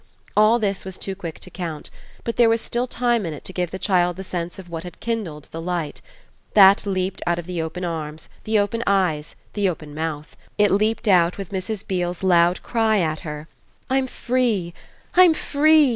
All this was too quick to count, but there was still time in it to give the child the sense of what had kindled the light. That leaped out of the open arms, the open eyes, the open mouth; it leaped out with Mrs. Beale's loud cry at her: "I'm free, I'm free!"